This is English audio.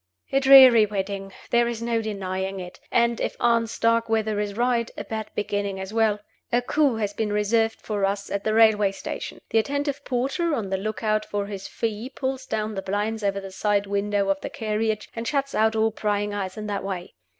A dreary wedding there is no denying it and (if Aunt Starkweather is right) a bad beginning as well! A coup has been reserved for us at the railway station. The attentive porter, on the look out for his fee pulls down the blinds over the side windows of the carriage, and shuts out all prying eyes in that way.